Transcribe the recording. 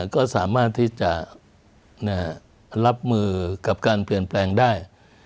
ก็สามารถที่จะรับมือกับการเปลี่ยนแปลงได้